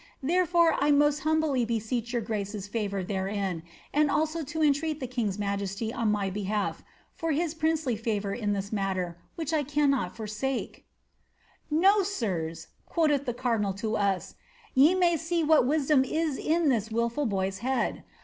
Therefore I most h seech your grace's &vour therein, and also to entreat the king on my behali^ for his princely favour in this matter, which 1 i sake." ^ No, sirs" (quoth the cardinal to us), ^ ye may see what in this wilful boy's head